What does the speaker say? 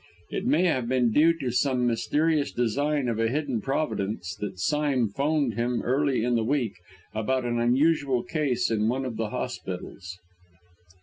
It may have been due to some mysterious design of a hidden providence that Sime 'phoned him early in the week about an unusual case in one of the hospitals.